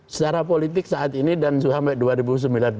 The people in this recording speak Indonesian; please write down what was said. secara politik saat ini dan sampai dua ribu sembilan belas